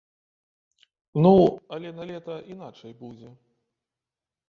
Ну, але налета іначай будзе.